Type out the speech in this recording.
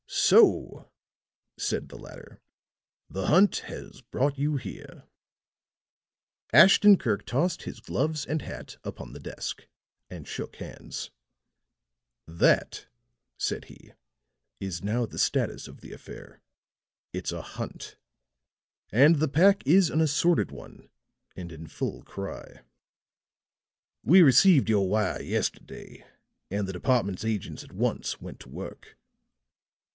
"So," said the latter, "the hunt has brought you here." Ashton Kirk tossed his gloves and hat upon the desk and shook hands. "That," said he, "is now the status of the affair it's a hunt; and the pack is an assorted one and in full cry." "We received your wire yesterday, and the department's agents at once went to work."